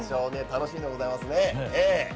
楽しみでございますね、ええ。